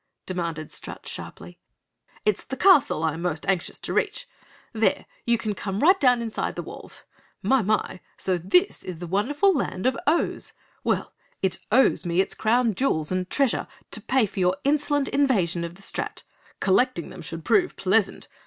demanded Strut sharply. "It's the castle I am most anxious to reach. There you can come down right inside the walls. My, My! So this is the wonderful Land of OHS. Well, it owes me its crown jewels and treasure to pay for your insolent invasion of the Strat. Collecting them should prove pleasant!